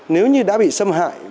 nếu như đã bị xâm hại